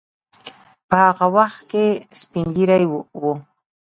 په هغه وخت کې سپین ږیری وو.